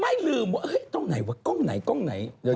ไม่ลืมว่าเฮ้ยกล้องไหนวะกล้องไหน